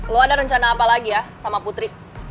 lo ada rencana apa lagi ya sama putri